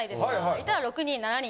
いたら６人７人。